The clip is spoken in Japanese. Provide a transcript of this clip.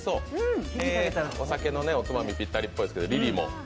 お酒のおつまみにぴったりっぽいですけど。